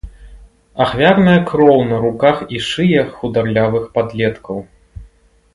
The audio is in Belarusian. Ахвярная кроў на руках і шыях хударлявых падлеткаў.